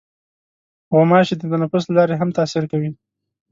غوماشې د تنفس له لارې هم تاثیر کوي.